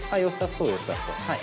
そうよさそう。